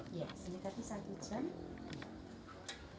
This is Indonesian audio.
iya ini tadi satu jam